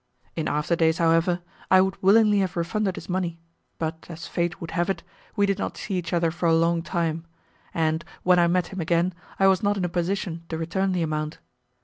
In after days, however, I would willingly have refunded his money, but, as fate would have it, we did not see each other for a long time, and when I met him again I was not in a position to return the amount.